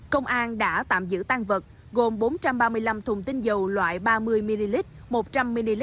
công an đã tạm giữ tăng vật gồm bốn trăm ba mươi năm thùng tinh dầu loại ba mươi ml một trăm linh ml